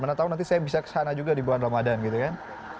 mana tahu nanti saya bisa kesana juga di bulan ramadan gitu kan